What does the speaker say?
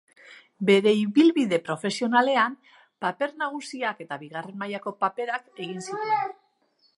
Bere ibilbide profesionalean paper nagusiak eta bigarren mailako paperak egin zituen.